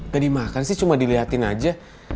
gak dimakan sih cuma diliatin aja